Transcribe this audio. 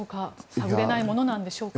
探れないものなんでしょうか。